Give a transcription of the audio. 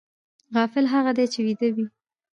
غافل هغه دی چې ویده وي